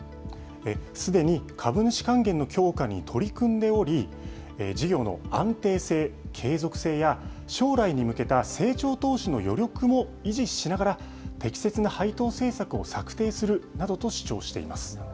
すでに株主還元の強化に取り組んでおり、事業の安定性、継続性や、将来に向けた成長投資の余力も維持しながら、適切な配当せいさくを策定するなどと主張しています。